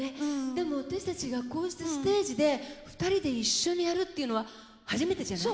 でも私たちがこうしてステージでふたりで一緒にやるっていうのは初めてじゃない？